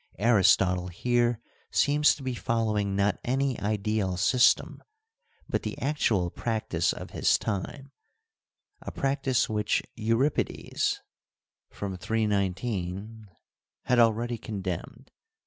Aristotle here seems to be following not any ideal system, but the actual practice of his time, a practice which Euripides (fr. 319) had already condemned.